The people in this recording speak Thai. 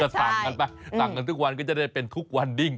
สั่งกันไปสั่งกันทุกวันก็จะได้เป็นทุกวันดิ้ง